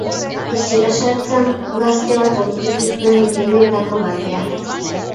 Etxera sartzean, gazte bat aurkitu zuen geletako batean.